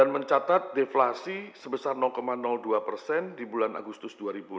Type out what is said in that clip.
mencatat deflasi sebesar dua persen di bulan agustus dua ribu enam belas